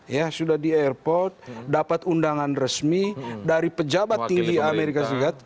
ya sudah di airport dapat undangan resmi dari pejabat tinggi amerika serikat